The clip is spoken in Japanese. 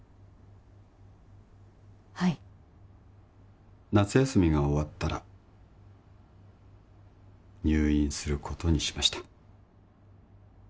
はい夏休みが終わったら入院することにしました